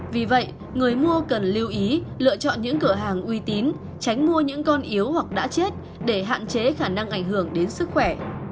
vì vậy người mua cần lưu ý lựa chọn những cửa hàng uy tín tránh mua những con yếu hoặc đã chết để hạn chế khả năng ảnh hưởng đến sức khỏe